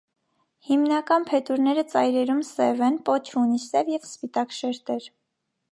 Հիմնական փետուրները ծայրերում սև են, պոչը ունի սև և սպիտակ շերտեր։